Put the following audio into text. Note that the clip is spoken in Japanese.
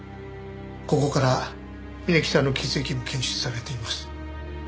ここから峯木さんの血液も検出されています。